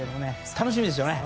楽しみですよね。